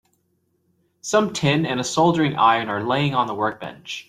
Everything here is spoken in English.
Some tin and a soldering iron are laying on the workbench.